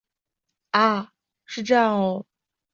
啊！就这样喔